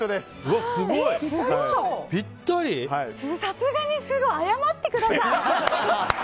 さすがに謝ってください！